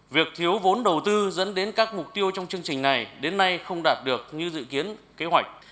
việc thiếu vốn đầu tư dẫn đến các mục tiêu trong chương trình này đến nay không đạt được như dự kiến kế hoạch